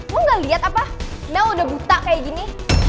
lo gak liat apa mel udah buta kayak gini